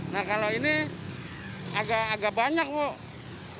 nah kalau ini agak agak banyak kok